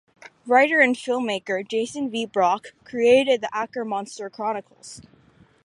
Writer and filmmaker Jason V Brock created The Ackermonster Chronicles!